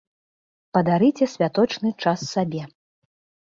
Падарыце святочны час сабе!